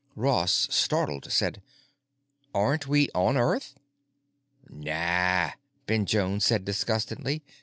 Ross, startled, said, "Aren't we on Earth?" "Naw," Ben Jones said disgustedly.